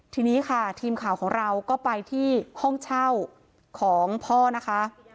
ทีนี้ค่ะทีมข่าวของเราก็ไปที่ห้องเช่าของพ่อนะคะ